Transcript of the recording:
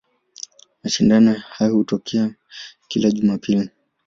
Mashindano hayo hutokea kila Jumapili.